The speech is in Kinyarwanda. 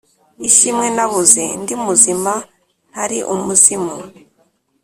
Ishimwe nabuze ndi muzima ntari umuzimu